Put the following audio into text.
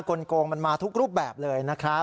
ลงมันมาทุกรูปแบบเลยนะครับ